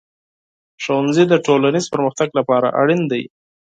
ښوونځی د ټولنیز پرمختګ لپاره اړین دی.